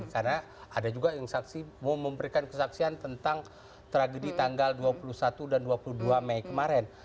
karena ada juga yang saksi mau memberikan kesaksian tentang tragedi tanggal dua puluh satu dan dua puluh dua mei kemarin